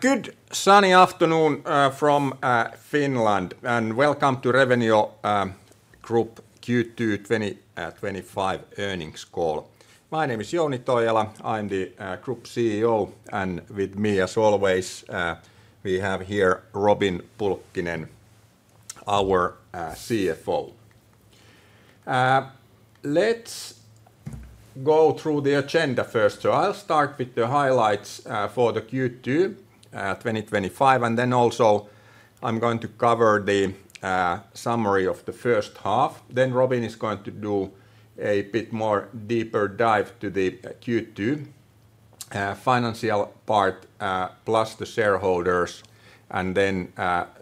Good sunny afternoon from Finland, and welcome to Revenio Group Q2 2025 Earnings Call. My name is Jouni Toijala, I'm the Group CEO, and with me, as always, we have here Robin Pulkkinen, our CFO. Let's go through the agenda first. I'll start with the highlights for the Q2 2025, and then also I'm going to cover the summary of the first half. Robin is going to do a bit more deeper dive to the Q2 financial part, plus the shareholders, and then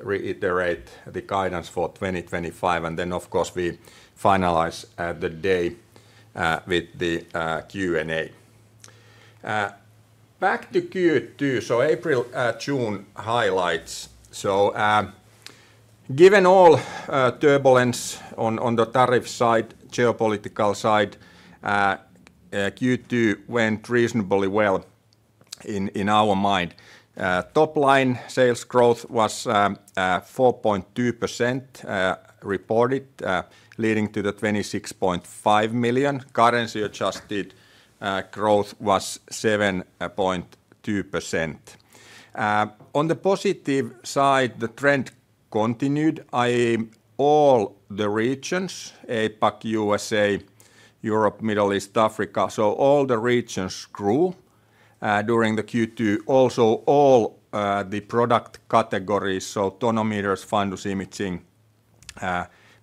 reiterate the guidance for 2025. Of course, we finalize the day with the Q&A. Back to Q2, so April, June highlights. Given all turbulence on the tariff side, geopolitical side, Q2 went reasonably well in our mind. Top line sales growth was 4.2% reported, leading to the 26.5 million. Currency-adjusted growth was 7.2%. On the positive side, the trend continued, i.e., all the regions, APAC, U.S.A, Europe, Middle East, Africa, so all the regions grew during the Q2. Also, all the product categories, so tonometers, fundus imaging,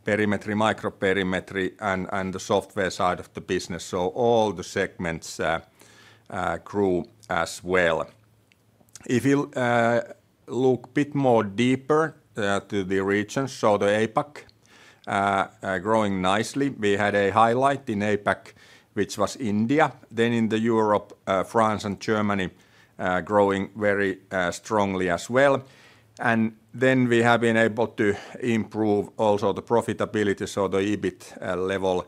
perimetry, microperimetry, and the software solutions side of the business, so all the segments grew as well. If you look a bit more deeper to the regions, the APAC growing nicely. We had a highlight in APAC, which was India. In Europe, France and Germany growing very strongly as well. We have been able to improve also the profitability, so the EBIT level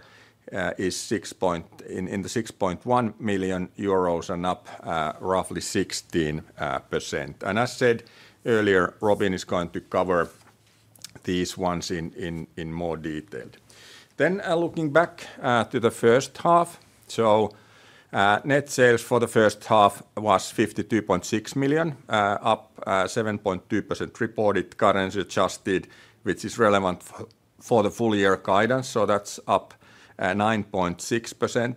is 6.1 million euros and up roughly 16%. As said earlier, Robin is going to cover these ones in more detail. Looking back to the first half, net sales for the first half was 52.6 million, up 7.2% reported currency-adjusted, which is relevant for the full-year guidance, so that's up 9.6%.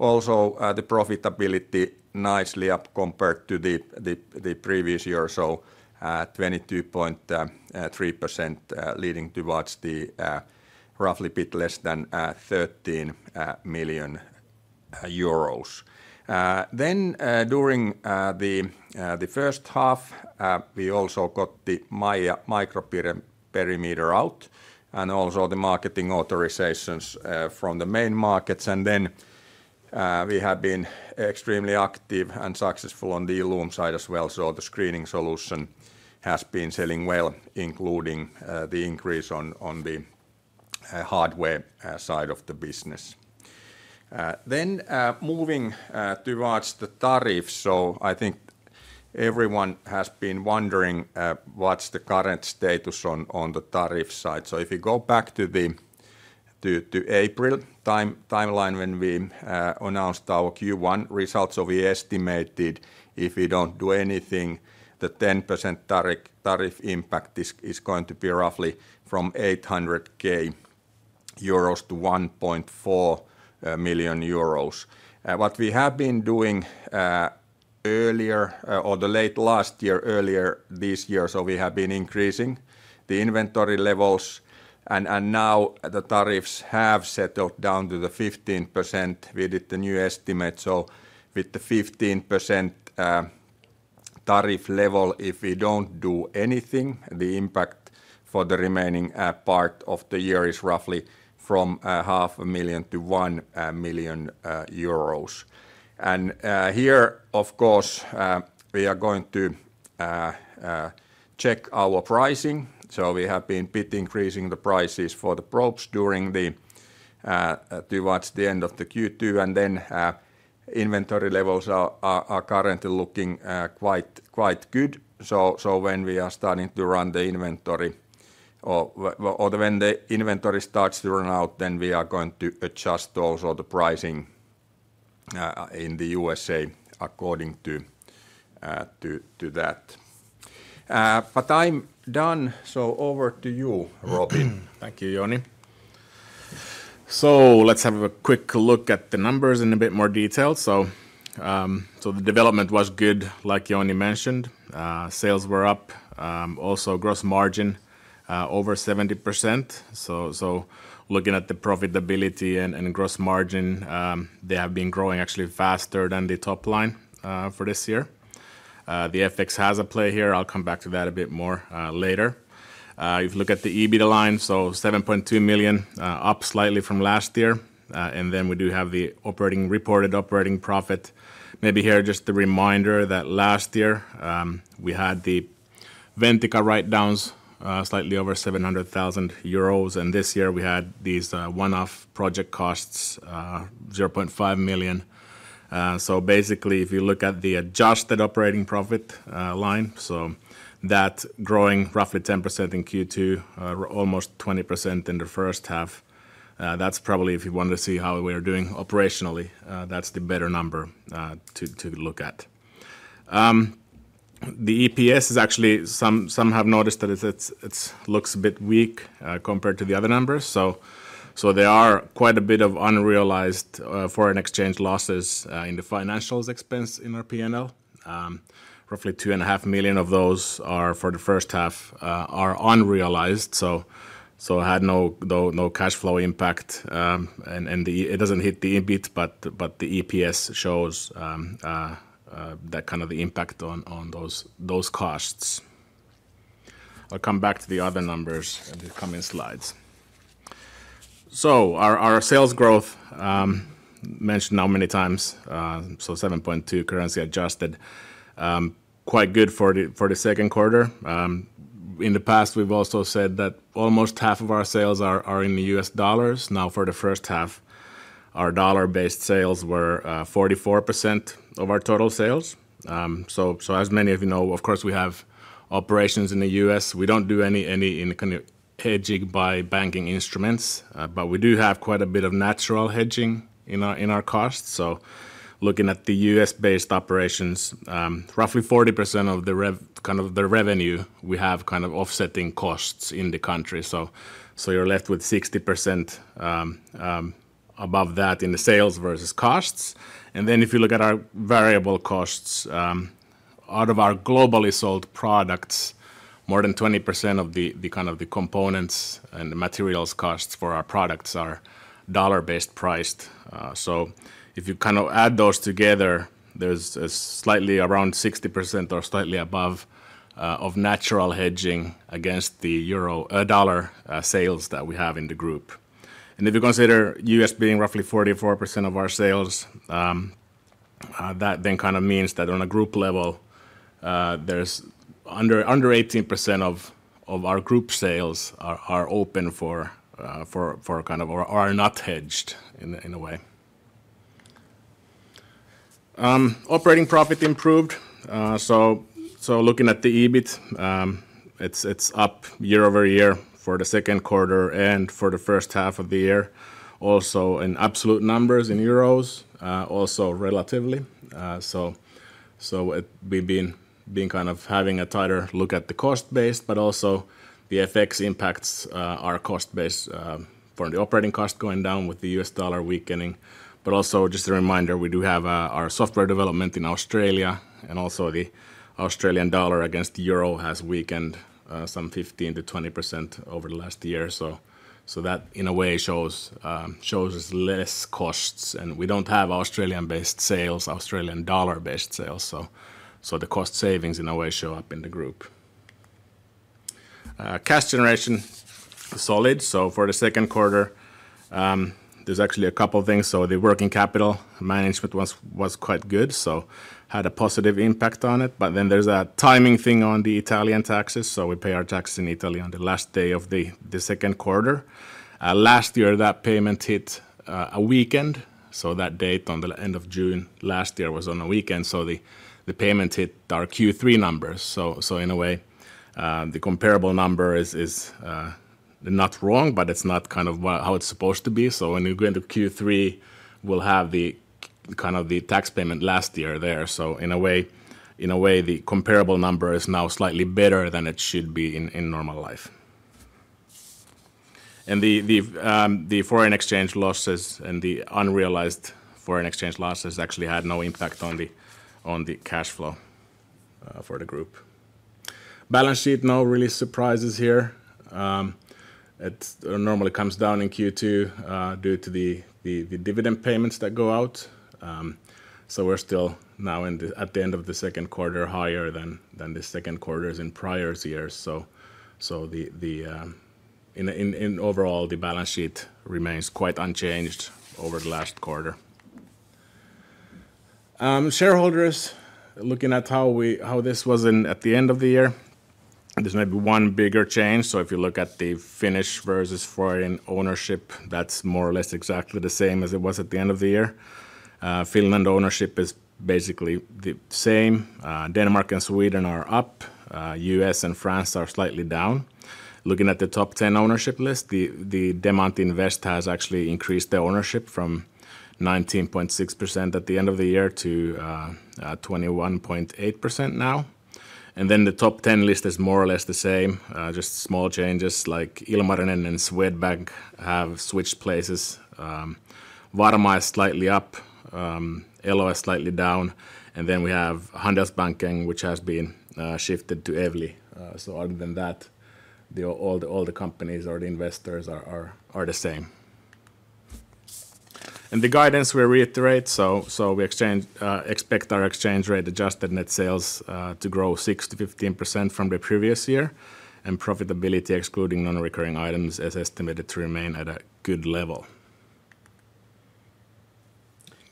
Also, the profitability nicely up compared to the previous year, so 22.3% leading towards the roughly a bit less than 13 million euros. During the first half, we also got the MAIA microperimeter out and also the marketing authorizations from the main markets. We have been extremely active and successful on the loan side as well, so the screening solution has been selling well, including the increase on the hardware side of the business. Moving towards the tariffs, I think everyone has been wondering what's the current status on the tariff side. If you go back to April timeline when we announced our Q1 results, we estimated if we don't do anything, the 10% tariff impact is going to be roughly from 800,000-1.4 million euros. What we have been doing earlier, or late last year, earlier this year, we have been increasing the inventory levels, and now the tariffs have settled down to the 15%. We did the new estimate, with the 15% tariff level, if we don't do anything, the impact for the remaining part of the year is roughly from 500,00-1 million euros. Here, of course, we are going to check our pricing. We have been a bit increasing the prices for the probes towards the end of Q2, and inventory levels are currently looking quite good. When we are starting to run the inventory, or when the inventory starts to run out, we are going to adjust also the pricing in the U.S.A. according to that. I'm done, over to you, Robin. Thank you, Jouni. Let's have a quick look at the numbers in a bit more detail. The development was good, like Jouni mentioned. Sales were up, also gross margin over 70%. Looking at the profitability and gross margin, they have been growing actually faster than the top line for this year. The FX has a play here. I'll come back to that a bit more later. If you look at the EBITDA line, 7.2 million, up slightly from last year. We do have the reported operating profit. Maybe here just a reminder that last year we had the Ventica write-downs slightly over 700,000 euros, and this year we had these one-off project costs, [0.5] million. If you look at the adjusted operating profit line, that growing roughly 10% in Q2, almost 20% in the first half, that's probably if you want to see how we are doing operationally, that's the better number to look at. The EPS is actually, some have noticed that it looks a bit weak compared to the other numbers. There are quite a bit of unrealized foreign exchange losses in the financials expense in our P&L. Roughly 2.5 million of those are for the first half unrealized. It had no cash flow impact. It doesn't hit the EBIT, but the EPS shows that kind of the impact on those costs. I'll come back to the other numbers in the coming slides. Our sales growth, mentioned how many times, 7.2% currency adjusted, quite good for the second quarter. In the past, we've also said that almost half of our sales are in the U.S. dollars. Now for the first half, our dollar-based sales were 44% of our total sales. As many of you know, of course, we have operations in the U.S. We don't do any hedging by banking instruments, but we do have quite a bit of natural hedging in our costs. Looking at the U.S.-based operations, roughly 40% of the kind of the revenue we have kind of offsetting costs in the country. You're left with 60% above that in the sales versus costs. If you look at our variable costs, out of our globally sold products, more than 20% of the kind of the components and the materials costs for our products are dollar-based priced. If you kind of add those together, there's slightly around 60% or slightly above of natural hedging against the dollar sales that we have in the group. If you consider U.S. being roughly 44% of our sales, that then kind of means that on a group level, there's under 18% of our group sales are open for kind of or are not hedged in a way. Operating profit improved. Looking at the EBIT, it's up year over year for the second quarter and for the first half of the year, also in absolute numbers in euros, also relatively. We've been kind of having a tighter look at the cost base, but also the FX impacts our cost base from the operating cost going down with the U.S. dollar weakening. Also, just a reminder, we do have our software development in Australia, and the Australian dollar against the euro has weakened some 15%-20% over the last year. That in a way shows us less costs, and we don't have Australian dollar-based sales. The cost savings in a way show up in the group. Cash generation is solid. For the second quarter, there's actually a couple of things. The working capital management was quite good, so had a positive impact on it. There's a timing thing on the Italian taxes. We pay our taxes in Italy on the last day of the second quarter. Last year, that payment hit a weekend. That date on the end of June last year was on a weekend, so the payment hit our Q3 numbers. In a way, the comparable number is not wrong, but it's not kind of how it's supposed to be. When you go into Q3, we'll have the kind of the tax payment last year there. In a way, the comparable number is now slightly better than it should be in normal life. The foreign exchange losses and the unrealized foreign exchange losses actually had no impact on the cash flow for the group. Balance sheet, no really surprises here. It normally comes down in Q2 due to the dividend payments that go out. We're still now at the end of the second quarter higher than the second quarters in prior years. Overall, the balance sheet remains quite unchanged over the last quarter. Shareholders, looking at how this was at the end of the year, there's maybe one bigger change. If you look at the Finnish versus foreign ownership, that's more or less exactly the same as it was at the end of the year. Finland ownership is basically the same. Denmark and Sweden are up. U.S. and France are slightly down. Looking at the top 10 ownership list, the Demand Invest has actually increased the ownership from 19.6% at the end of the year to 21.8% now. The top 10 list is more or less the same, just small changes like Ilmarinen and Swedbank have switched places. Varma is slightly up. Elo is slightly down. Handelsbanken has been shifted to Evli. Other than that, all the companies or the investors are the same. The guidance, we reiterate, so we expect our exchange rate-adjusted net sales to grow 6%-15% from the previous year. Profitability, excluding non-recurring items, is estimated to remain at a good level.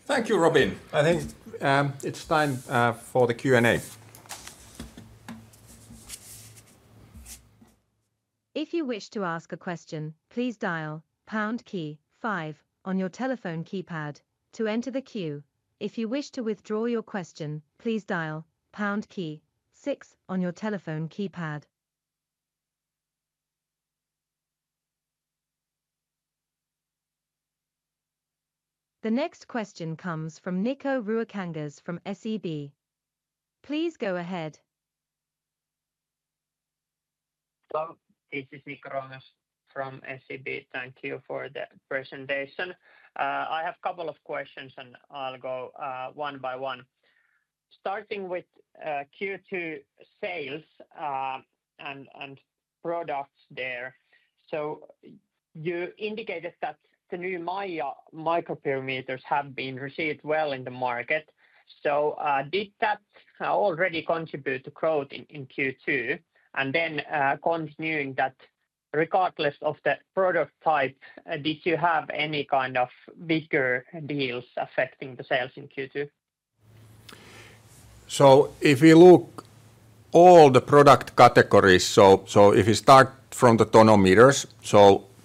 Thank you, Robin. I think it's time for the Q&A. If you wish to ask a question, please dial pound key five on your telephone keypad to enter the queue. If you wish to withdraw your question, please dial pound key six on your telephone keypad. The next question comes from Nikko Ruokangas from SEB. Please go ahead. Hello, this is Nikko Ruokangas from SEB. Thank you for the presentation. I have a couple of questions, and I'll go one by one. Starting with Q2 sales and products there. You indicated that the new MAIA microperimeters have been received well in the market. Did that already contribute to growth in Q2? Continuing that, regardless of the product type, did you have any kind of bigger deals affecting the sales in Q2? If you look at all the product categories, if you start from the tonometers,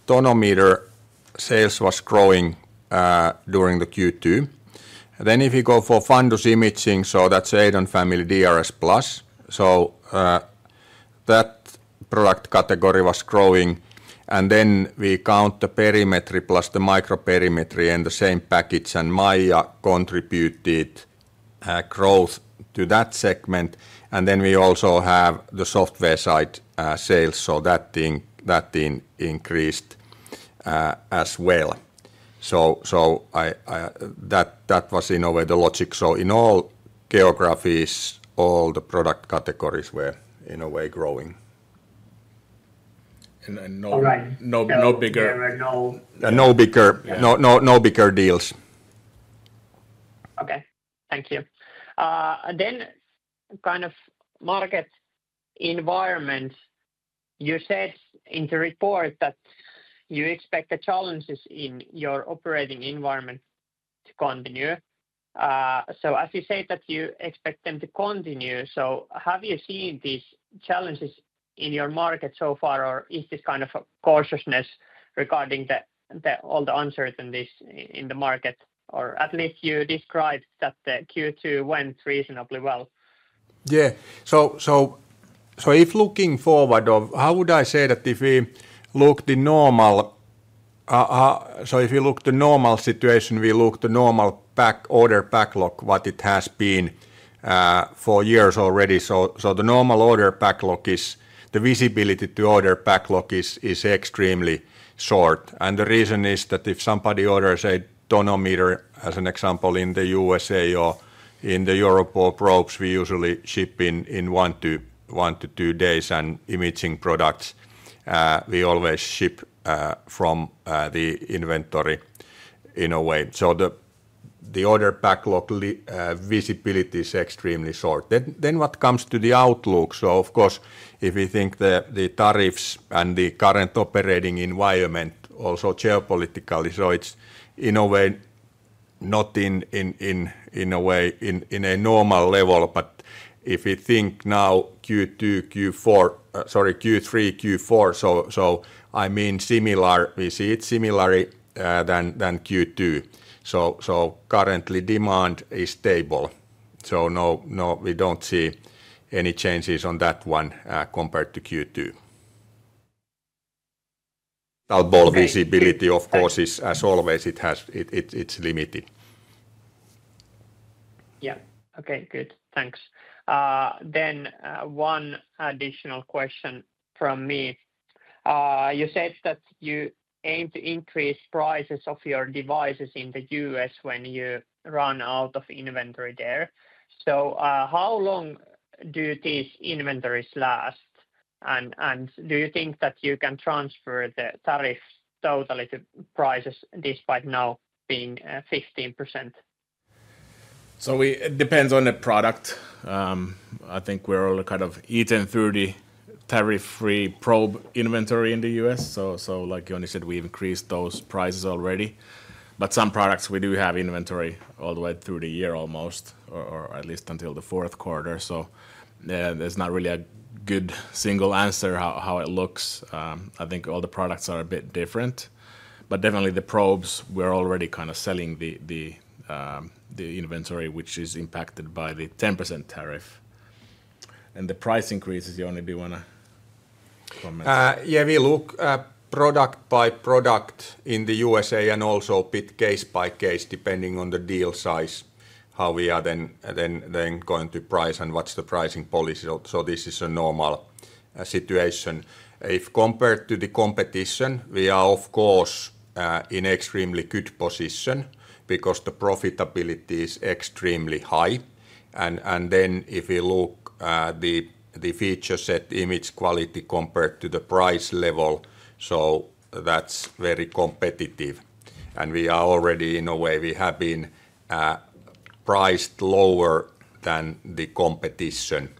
tonometer sales was growing during the Q2. If you go for fundus imaging, that's DRSplus. That product category was growing. We count the perimetry plus the microperimetry in the same package, and MAIA contributed growth to that segment. We also have the software side sales, so that increased as well. That was in a way the logic. In all geographies, all the product categories were in a way growing. No bigger. No bigger deals. Okay. Thank you. Kind of market environment. You said in the report that you expect the challenges in your operating environment to continue. As you say that you expect them to continue, have you seen these challenges in your market so far, or is this kind of a cautiousness regarding all the uncertainties in the market? At least you described that the Q2 went reasonably well. Yeah. If looking forward, how would I say that if we look at the normal situation, we look at the normal order backlog, what it has been for years already. The normal order backlog is the visibility to order backlog is extremely short. The reason is that if somebody orders a tonometer, as an example, in the U.S.A. or in Europe, or probes, we usually ship in one to two days. Imaging products, we always ship from the inventory in a way. The order backlog visibility is extremely short. What comes to the outlook? Of course, if you think the tariffs and the current operating environment, also geopolitically, it's in a way not in a way in a normal level. If you think now Q2, Q4, sorry, Q3, Q4, I mean similar, we see it similarly than Q2. Currently, demand is stable. No, we don't see any changes on that one compared to Q2. Talkable visibility, of course, is as always, it's limited. Okay. Good. Thanks. One additional question from me. You said that you aim to increase prices of your devices in the U.S. when you run out of inventory there. How long do these inventories last? Do you think that you can transfer the tariff totally to prices despite now being 15%? It depends on the product. I think we're all kind of eaten through the tariff-free probe inventory in the U.S. Like Jouni said, we increased those prices already. Some products, we do have inventory all the way through the year almost, or at least until the fourth quarter. There's not really a good single answer how it looks. I think all the products are a bit different. Definitely, the probes, we're already kind of selling the inventory, which is impacted by the 10% tariff. The price increases, Jouni, do you want to comment? Yeah. We look product by product in the U.S.A. and also a bit case by case, depending on the deal size, how we are then going to price and what's the pricing policy. This is a normal situation. If compared to the competition, we are, of course, in an extremely good position because the profitability is extremely high. If we look at the feature set, image quality compared to the price level, that's very competitive. We are already, in a way, we have been priced lower than the competition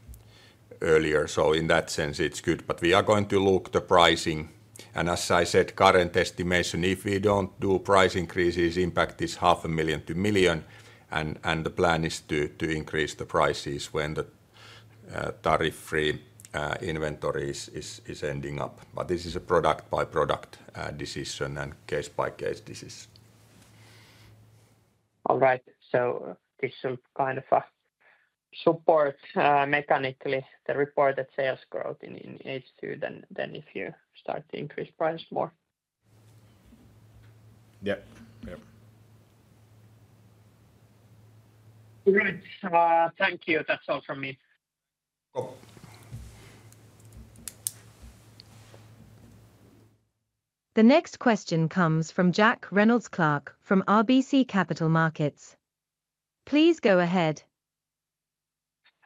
earlier. In that sense, it's good. We are going to look at the pricing. As I said, current estimation, if we don't do price increases, impact is 500,000-1 million. The plan is to increase the prices when the tariff-free inventory is ending up. This is a product by product decision and case by case decision. All right. This is some kind of a support mechanically, the reported sales growth in H2. If you start to increase price more. Yeah. Yeah. Okay. Thank you. That's all from me. Cool. The next question comes from Jack Reynolds-Clark from RBC Capital Markets. Please go ahead.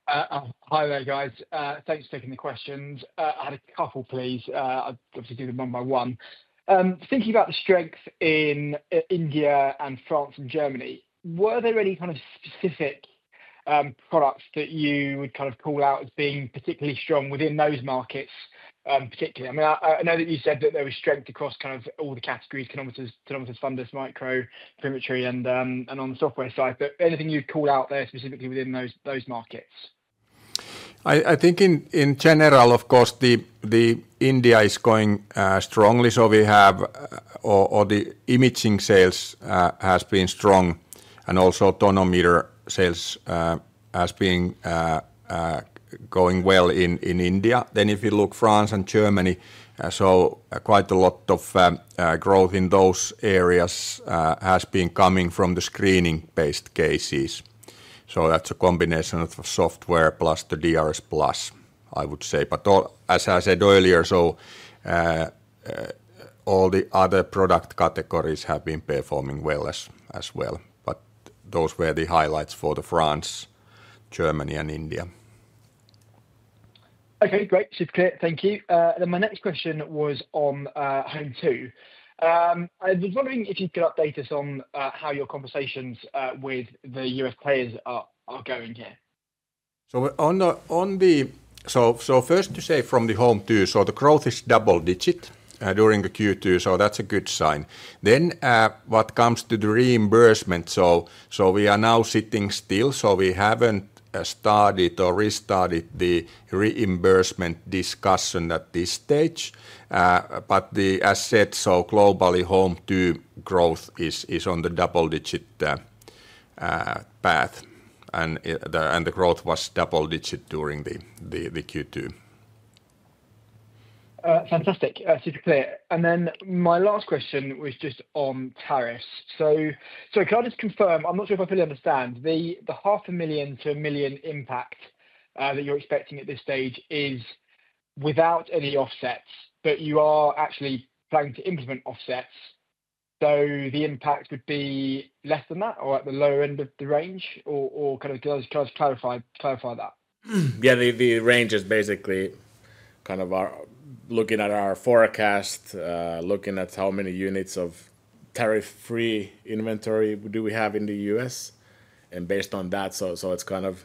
Hi there, guys. Thanks for taking the questions. I had a couple, please. I'll obviously do them one by one. Thinking about the strength in India and France and Germany, were there any kind of specific products that you would kind of call out as being particularly strong within those markets particularly? I mean, I know that you said that there was strength across kind of all the categories: tonometers, fundus, microperimetry, and on the software side. Anything you'd call out there specifically within those markets? I think in general, of course, India is going strongly. We have all the imaging sales have been strong, and also tonometer sales have been going well in India. If you look at France and Germany, quite a lot of growth in those areas has been coming from the screening-based cases. That's a combination of software solutions plus the DRSplus, I would say. As I said earlier, all the other product categories have been performing well as well. Those were the highlights for France, Germany, and India. Okay. Great. Super. Thank you. My next question was on Home2. I was wondering if you could update us on how your conversations with the U.S. players are going here. First, to say from the Home2, the growth is double-digit during Q2. That's a good sign. What comes to the reimbursement, we are now sitting still. We haven't started or restarted the reimbursement discussion at this stage. As said, globally, Home2 growth is on the double-digit path, and the growth was double-digit during Q2. Fantastic. Super clear. My last question was just on tariffs. Can I just confirm? I'm not sure if I fully understand. The 500,000-1 million impact that you're expecting at this stage is without any offsets, but you are actually planning to implement offsets. The impact would be less than that or at the lower end of the range, or can you just clarify that? Yeah. The range is basically kind of looking at our forecast, looking at how many units of tariff-free inventory we have in the U.S., and based on that, it's kind of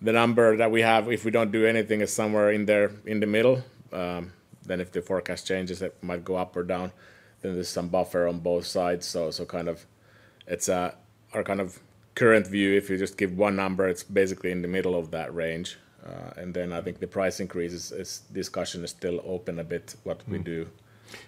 the number that we have if we don't do anything, is somewhere in there in the middle. If the forecast changes, it might go up or down, and there's some buffer on both sides. It's our current view. If you just give one number, it's basically in the middle of that range. I think the price increases discussion is still open a bit, what we do.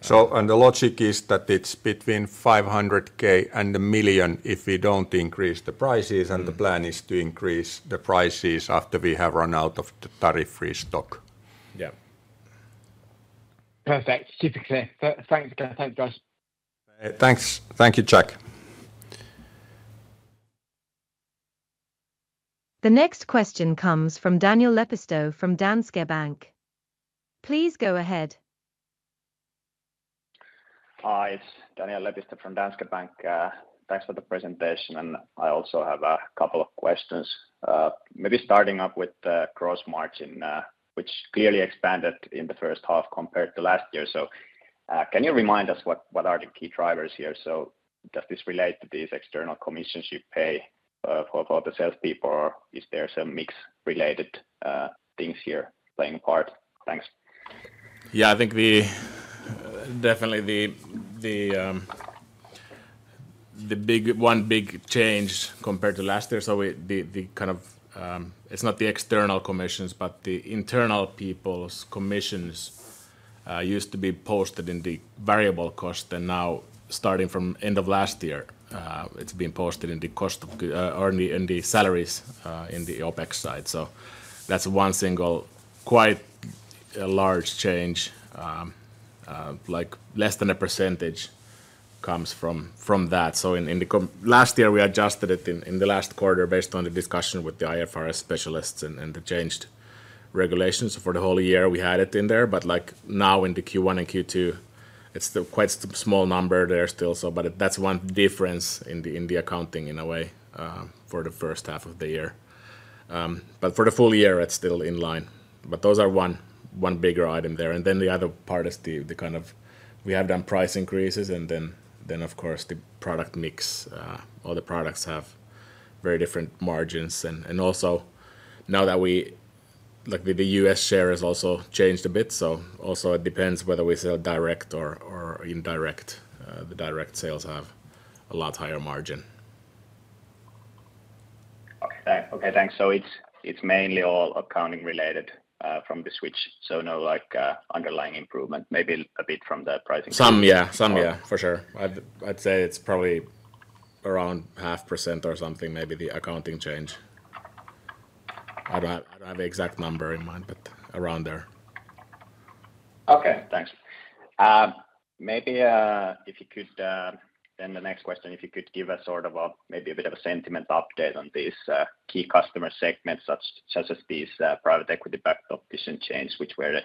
The logic is that it's between 500,000 and 1 million if we don't increase the prices. The plan is to increase the prices after we have run out of the tariff-free stock. Yeah. Perfect. Super clear. Thanks, guys. Thanks. Thank you, Jack. The next question comes from Daniel Lepistö from Danske Bank. Please go ahead. Hi. It's Daniel Lepistö from Danske Bank. Thanks for the presentation. I also have a couple of questions. Maybe starting up with the gross margin, which clearly expanded in the first half compared to last year. Can you remind us what are the key drivers here? Does this relate to these external commissions you pay for the salespeople, or is there some mix-related things here playing a part? Thanks. Yeah. I think definitely the one big change compared to last year, it's not the external commissions, but the internal people's commissions used to be posted in the variable cost. Now, starting from the end of last year, it's been posted in the cost of earning and the salaries in the OpEx side. That's one single quite large change. Less than a percentage comes from that. In the last year, we adjusted it in the last quarter based on the discussion with the IFRS specialists and the changed regulations. For the whole year, we had it in there. Like now in Q1 and Q2, it's quite a small number there still. That's one difference in the accounting in a way for the first half of the year. For the full year, it's still in line. Those are one bigger item there. The other part is we have done price increases. Of course, the product mix, all the products have very different margins. Also now that the U.S. share has also changed a bit, it depends whether we sell direct or indirect. The direct sales have a lot higher margin. Okay. Thanks. It's mainly all accounting related from the switch. No underlying improvement, maybe a bit from the pricing. Yeah, for sure. I'd say it's probably around 0.5% or something, maybe the accounting change. I don't have the exact number in mind, but around there. Okay. Thanks. Maybe if you could, then the next question, if you could give us sort of a maybe a bit of a sentiment update on these key customer segments, such as these private equity-backed vision chains, which were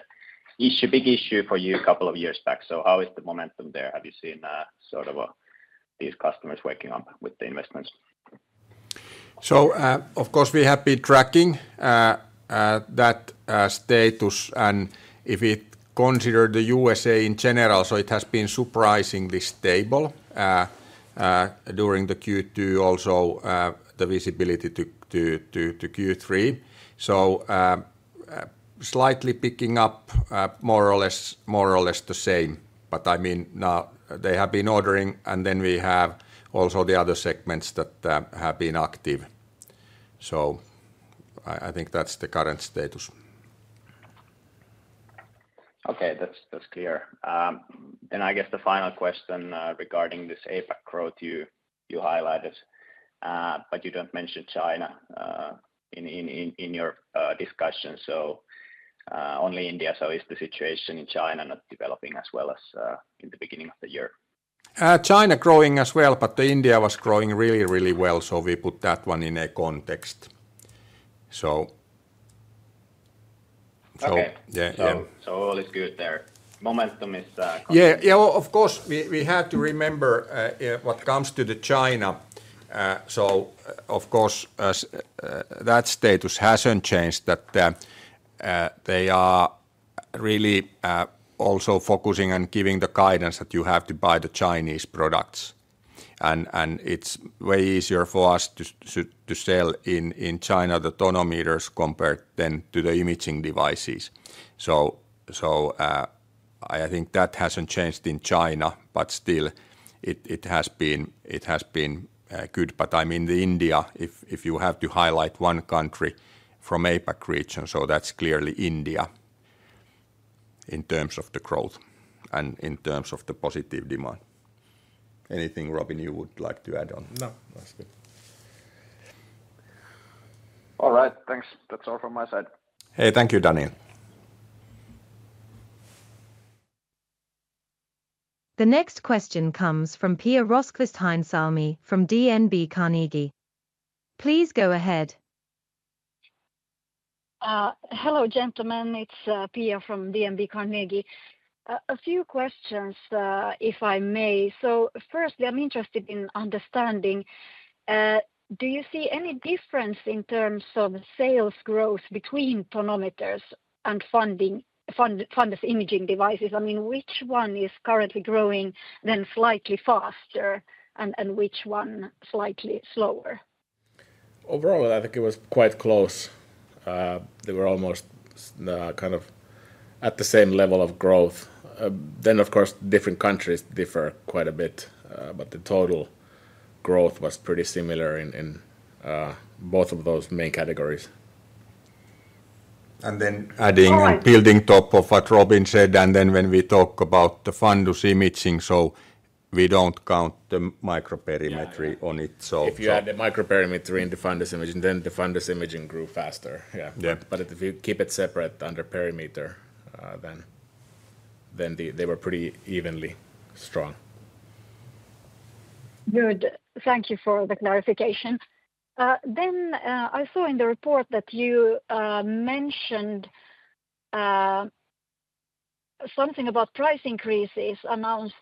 a big issue for you a couple of years back. How is the momentum there? Have you seen sort of these customers waking up with the investments? Of course, we have been tracking that status. If we consider the U.S.A. in general, it has been surprisingly stable during Q2, also the visibility to Q3. Slightly picking up, more or less the same. I mean, now they have been ordering, and then we have also the other segments that have been active. I think that's the current status. Okay. That's clear. I guess the final question regarding this APAC growth you highlighted, but you don't mention China in your discussion. Only India. Is the situation in China not developing as well as in the beginning of the year? China growing as well, but India was growing really, really well. We put that one in a context. Okay, all is good there. Momentum is. Yeah. Yeah. Of course, we have to remember what comes to China. Of course, that status hasn't changed. They are really also focusing on giving the guidance that you have to buy the Chinese products. It's way easier for us to sell in China the tonometers compared to the imaging devices. I think that hasn't changed in China, but still it has been good. I mean, India, if you have to highlight one country from the APAC region, that's clearly India in terms of the growth and in terms of the positive demand. Anything, Robin, you would like to add on? No, that's good. All right. Thanks. That's all from my side. Hey, thank you, Daniel. The next question comes from Pia Rosqvist-Heinsalmi from DNB Carnegie. Please go ahead. Hello, gentlemen. It's Pia from DNB Carnegie. A few questions, if I may. Firstly, I'm interested in understanding, do you see any difference in terms of sales growth between tonometers and fundus imaging devices? I mean, which one is currently growing slightly faster and which one slightly slower? Overall, I think it was quite close. They were almost kind of at the same level of growth. Of course, different countries differ quite a bit, but the total growth was pretty similar in both of those main categories. Adding and building on top of what Robin said, when we talk about the fundus imaging, we don't count the microperimetry on it. If you add the microperimetry in the fundus imaging, then the fundus imaging grew faster. Yeah. If you keep it separate under perimeters, then they were pretty evenly strong. Good. Thank you for the clarification. I saw in the report that you mentioned something about price increases announced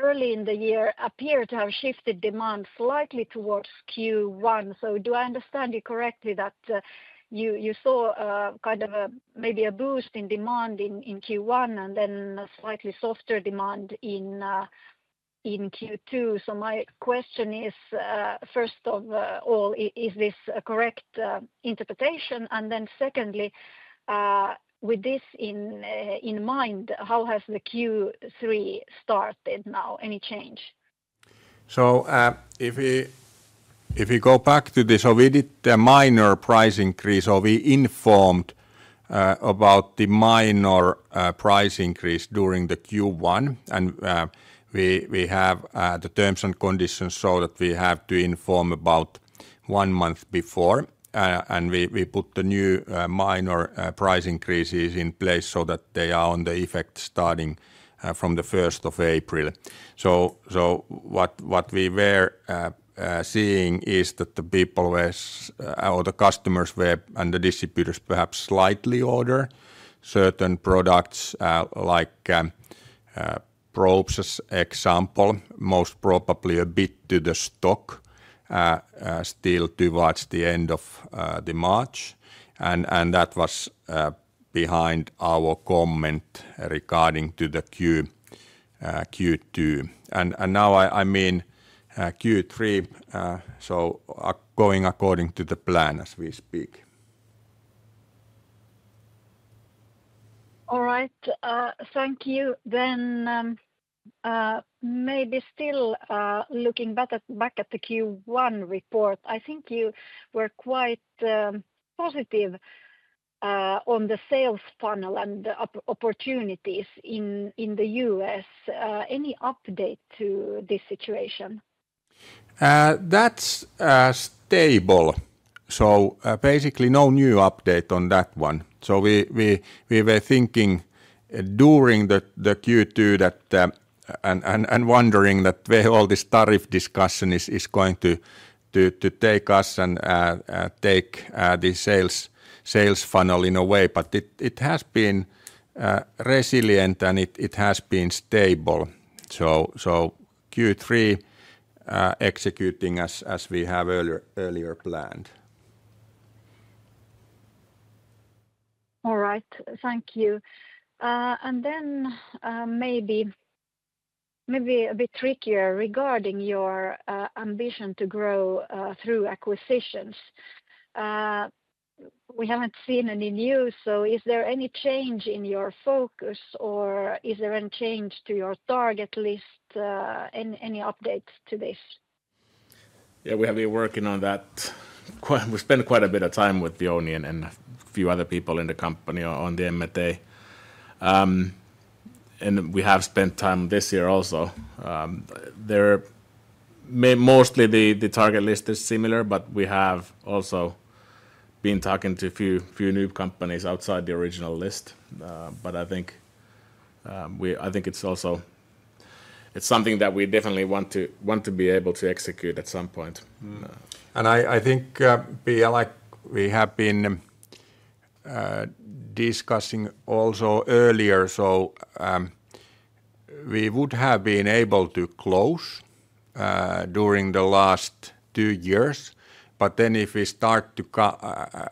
early in the year appeared to have shifted demand slightly towards Q1. Do I understand you correctly that you saw kind of maybe a boost in demand in Q1 and then slightly softer demand in Q2? My question is, first of all, is this a correct interpretation? Secondly, with this in mind, how has Q3 started now? Any change? If we go back to this, we did the minor price increase, or we informed about the minor price increase during Q1. We have the terms and conditions so that we have to inform about one month before. We put the new minor price increases in place so that they are in effect starting from the 1st of April. What we were seeing is that the people or the customers and the distributors perhaps slightly ordered certain products like probes, as an example, most probably a bit to the stock still towards the end of March. That was behind our comment regarding Q2. Now, I mean Q3 is going according to the plan as we speak. All right. Thank you. Maybe still looking back at the Q1 report, I think you were quite positive on the sales funnel and the opportunities in the U.S. Any update to this situation? That's stable. Basically, no new update on that one. We were thinking during Q2 and wondering where all this tariff discussion is going to take us and take the sales funnel in a way. It has been resilient and it has been stable. Q3 executing as we have earlier planned. All right. Thank you. Maybe a bit trickier regarding your ambition to grow through acquisitions. We haven't seen any news. Is there any change in your focus or is there any change to your target list? Any updates to this? Yeah. We have been working on that. We spent quite a bit of time with Jouni and a few other people in the company on the MFA. We have spent time this year also. Mostly the target list is similar, but we have also been talking to a few new companies outside the original list. I think it's also something that we definitely want to be able to execute at some point. I think, Pia, like we have been discussing also earlier, we would have been able to close during the last two years. If we start to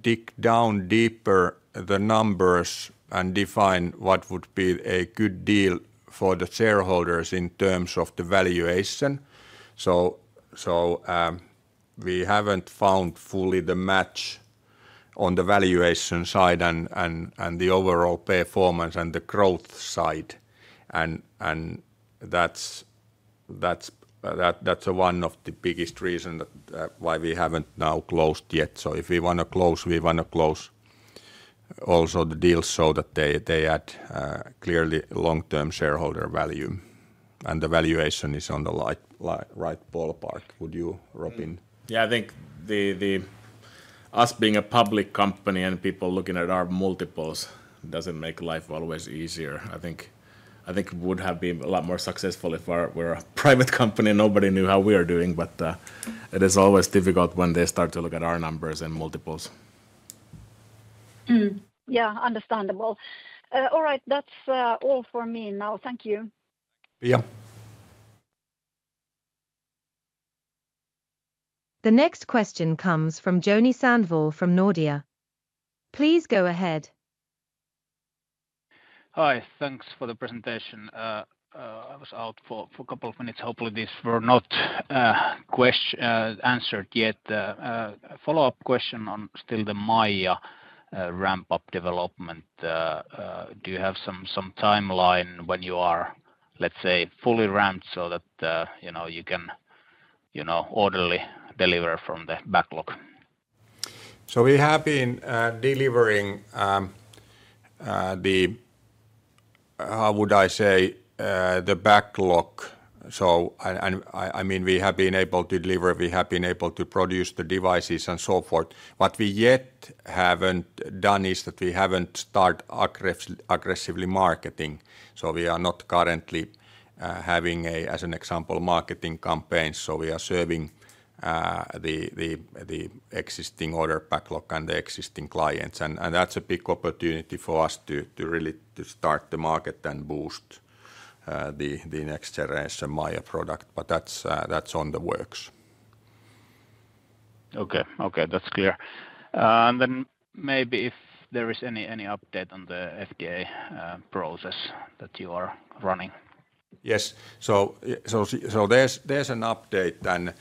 dig down deeper the numbers and define what would be a good deal for the shareholders in terms of the valuation, we haven't found fully the match on the valuation side and the overall performance and the growth side. That's one of the biggest reasons why we haven't now closed yet. If we want to close, we want to close also the deals so that they add clearly long-term shareholder value, and the valuation is on the right ballpark. Would you, Robin? Yeah. I think us being a public company and people looking at our multiples doesn't make life always easier. I think it would have been a lot more successful if we're a private company and nobody knew how we were doing. It is always difficult when they start to look at our numbers and multiples. Yeah, understandable. All right, that's all for me now. Thank you. Yeah. The next question comes from Joni Sandvall from Nordea. Please go ahead. Hi. Thanks for the presentation. I was out for a couple of minutes. Hopefully, these were not answered yet. Follow-up question on still the MAIA ramp-up development. Do you have some timeline when you are, let's say, fully ramped so that you can orderly deliver from the backlog? We have been delivering the, how would I say, the backlog. I mean, we have been able to deliver. We have been able to produce the devices and so forth. What we yet haven't done is that we haven't started aggressively marketing. We are not currently having a, as an example, marketing campaign. We are serving the existing order backlog and the existing clients. That's a big opportunity for us to really start the market and boost the next generation MAIA product. That's on the works. Okay. That's clear. Is there any update on the FDA process that you are running? Yes. There's an update then.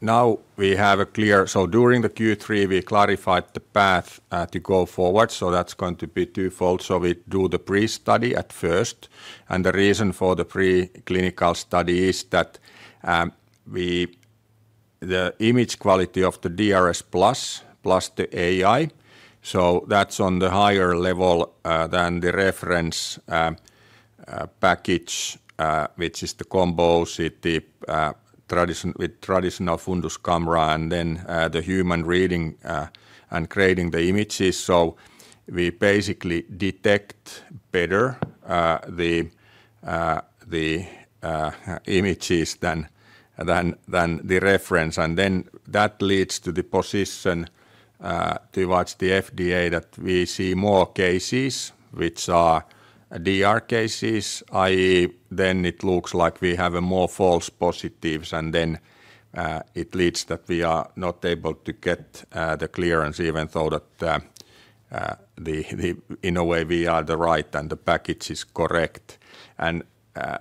Now we have a clear, during Q3, we clarified the path to go forward. That's going to be twofold. We do the pre-study at first. The reason for the pre-clinical study is that the image quality of the DRSplus with AI is on a higher level than the reference package, which is the combo with traditional fundus camera and then the human reading and creating the images. We basically detect better the images than the reference. That leads to the position towards the FDA that we see more cases, which are DR cases, i.e., it looks like we have more false positives. That leads to us not being able to get the clearance, even though in a way we are right and the package is correct.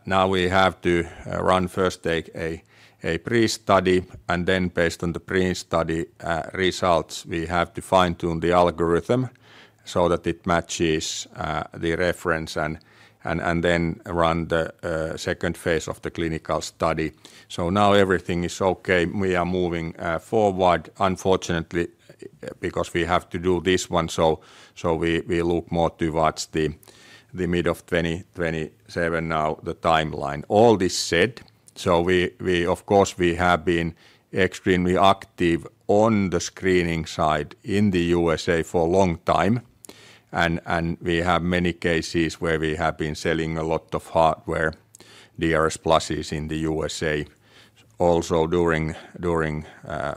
Now we have to run first a pre-study. Based on the pre-study results, we have to fine-tune the algorithm so that it matches the reference and then run the second phase of the clinical study. Now everything is okay. We are moving forward, unfortunately, because we have to do this one. We look more towards the mid of 2027 now, the timeline. All this said, we have been extremely active on the screening side in the U.S.A. for a long time. We have many cases where we have been selling a lot of hardware, DRSpluses in the U.S.A., also during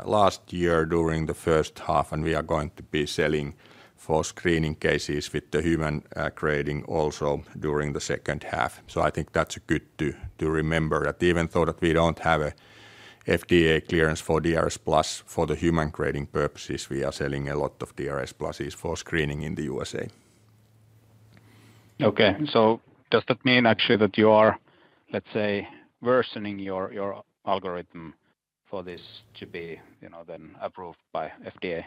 last year, during the first half. We are going to be selling for screening cases with the human grading also during the second half. I think that's good to remember that even though we don't have an FDA clearance for DRSplus for the human grading purposes, we are selling a lot of DRSpluses for screening in the U.S.A. Okay. Does that mean actually that you are, let's say, worsening your algorithm for this to be then approved by the FDA?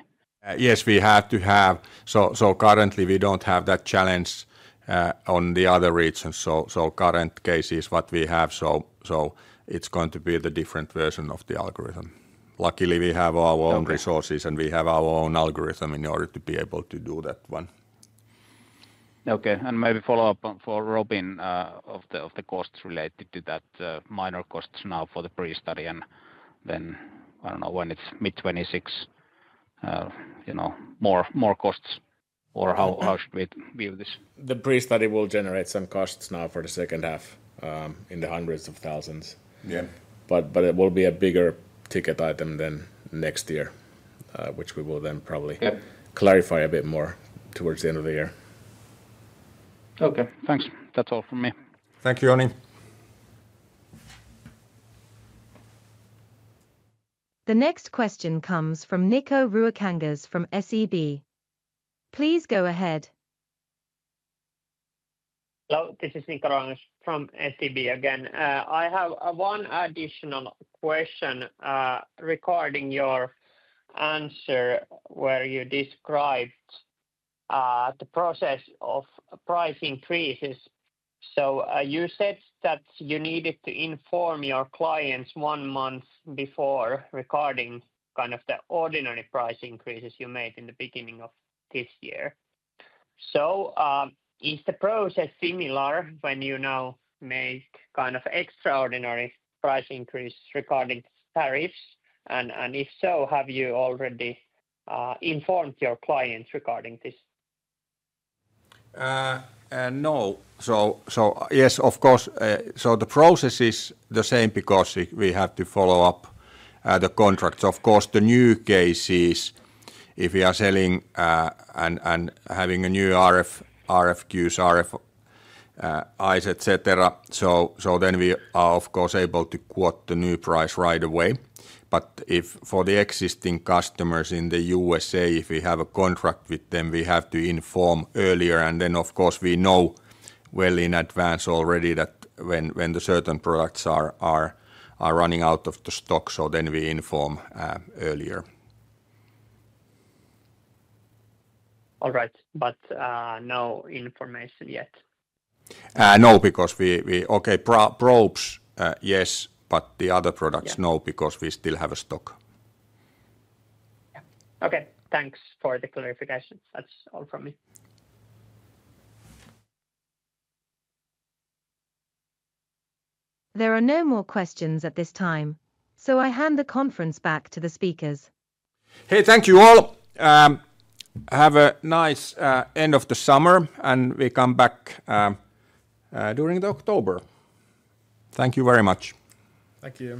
Yes, we have to have. Currently, we don't have that challenge in the other regions. Current cases we have, it's going to be the different version of the algorithm. Luckily, we have our own resources and we have our own algorithm in order to be able to do that one. Okay. Maybe follow up for Robin of the costs related to that, minor costs now for the pre-study. I don't know, when it's mid-2026, more costs, or how should we view this? The pre-study will generate some costs now for the second half in the hundreds of thousands. It will be a bigger ticket item than next year, which we will then probably clarify a bit more towards the end of the year. Okay. Thanks. That's all from me. Thank you, Jouni. The next question comes from Nikko Ruokangas from SEB. Please go ahead. Hello. This is Nikko Ruokangas from SEB again. I have one additional question regarding your answer where you described the process of price increases. You said that you needed to inform your clients one month before regarding kind of the ordinary price increases you made in the beginning of this year. Is the process similar when you now make kind of extraordinary price increases regarding tariffs? If so, have you already informed your clients regarding this? Yes, of course. The process is the same because we have to follow up the contracts. Of course, the new cases, if we are selling and having new RFQs, RFIs, etc., we are, of course, able to quote the new price right away. For the existing customers in the U.S., if we have a contract with them, we have to inform earlier. We know well in advance already that when certain products are running out of stock, we inform earlier. All right. No information yet? No, because we, okay, probes, yes. The other products, no, because we still have a stock. Yeah. Okay. Thanks for the clarification. That's all for me. There are no more questions at this time. I hand the conference back to the speakers. Thank you all. Have a nice end of the summer, and we come back during October. Thank you very much. Thank you.